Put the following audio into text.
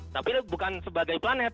tapi bukan sebagai planet